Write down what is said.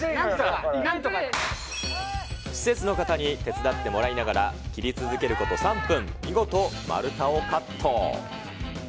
施設の方に手伝ってもらいながら、切り続けること３分、見事丸太をカット。